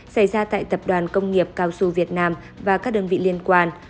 xảy ra tại tập đoàn công nghiệp cao su việt nam và các đơn vị liên quan